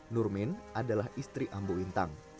nurmin adalah istri ambo wintang